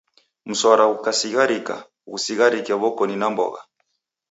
Mswara ghukasigharika, ghusigharike w'okoni na mbogha.